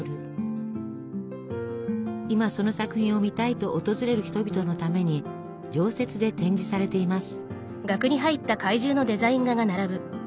今その作品を見たいと訪れる人々のために常設で展示されています。